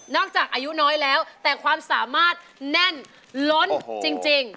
จากอายุน้อยแล้วแต่ความสามารถแน่นล้นจริง